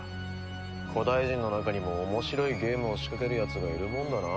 古代人の中にも面白いゲームを仕掛けるやつがいるもんだな。